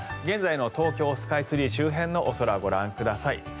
現在の東京スカイツリー周辺のお空をご覧ください。